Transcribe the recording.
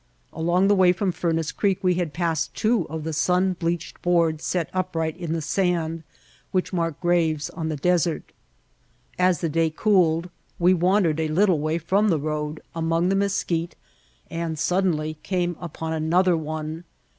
Along the way from Furnace Creek we had passed two of the sun bleached boards set upright in the sand which mark graves on the desert. As the day cooled we wandered a little way from the road among the mesquite and suddenly came upon another one.